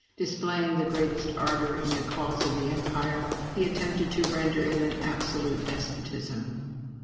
Displaying the greatest ardor in the cause of the Empire, he attempted to render it an absolute despotism.